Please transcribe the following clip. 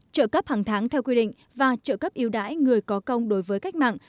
trợ cấp hàng tháng theo quy định và trợ cấp yếu đải người có công đối với cách mạng